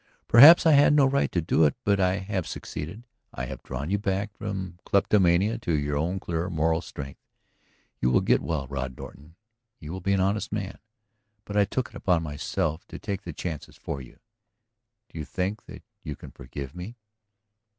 Perhaps I had no right to do it. But I have succeeded; I have drawn you back from kleptomania to your own clear moral strength. You will get well, Rod Norton; you will be an honest man. But I took it upon myself to take the chances for you. Now ... do you think that you can forgive me?"